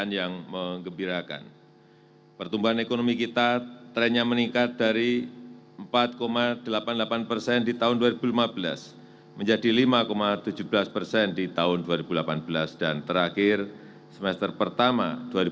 yang saya hormati bapak haji muhammad yudhkala